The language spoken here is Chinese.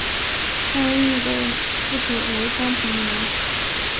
张謇的父亲为张彭年。